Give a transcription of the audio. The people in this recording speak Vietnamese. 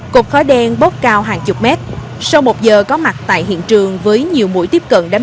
cục khói đen bốc cao hàng chục mét sau một giờ có mặt tại hiện trường với nhiều mũi tiếp cận đám